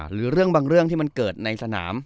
หรือเรื่องบางเรื่องที่มันเกิดในสนาม